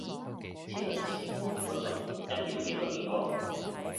磁能線，如果中，一秒知道係邊個